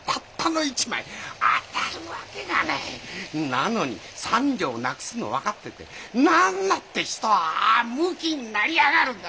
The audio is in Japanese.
なのに３両なくすの分かっててなんだって人はああむきになりやがるんだ。